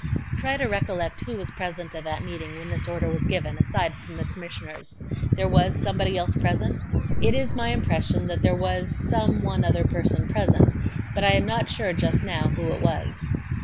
Q. Try to recollect who was present at that meeting when this order was given, aside from the Commissioners. There was somebody else present? A. It is my impression that there was some one other person present, but I am not sure just now who it was.